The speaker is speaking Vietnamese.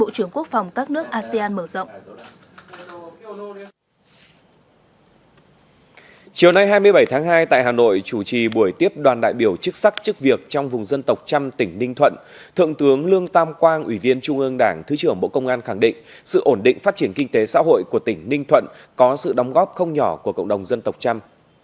chiều nay hai mươi bảy tháng hai tại hà nội chủ trì buổi tiếp đoàn đại biểu chức sắc chức việc trong vùng dân tộc trăm tỉnh ninh thuận thượng tướng lương tam quang ủy viên trung ương đảng thứ trưởng bộ công an khẳng định sự ổn định phát triển kinh tế xã hội của tỉnh ninh thuận có sự đóng góp không nhỏ của cộng đồng dân tộc trăm